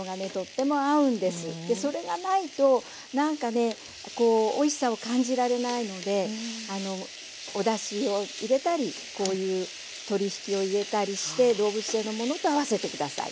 それがないとなんかねこうおいしさを感じられないのでおだしを入れたりこういう鶏ひきを入れたりして動物性のものと合わせて下さい。